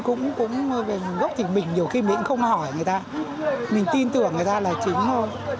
chứ cũng gốc thịt mình nhiều khi mình cũng không hỏi người ta mình tin tưởng người ta là chính thôi